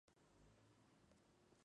Abre más la biblioteca.